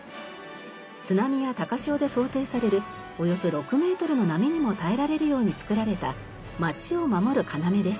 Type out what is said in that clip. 津波や高潮で想定されるおよそ６メートルの波にも耐えられるように造られた街を守る要です。